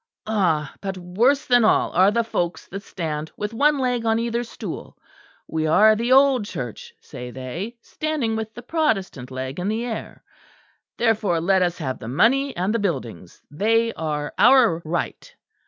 "Ah! but worse than all are the folks that stand with one leg on either stool. We are the old Church, say they; standing with the Protestant leg in the air, therefore let us have the money and the buildings: they are our right.